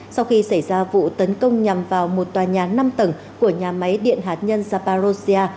sau khi xảy ra vụ tấn công nhằm vào một tòa nhà năm tầng của nhà máy điện hạt nhân zabarocia